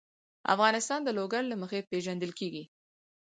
افغانستان د لوگر له مخې پېژندل کېږي.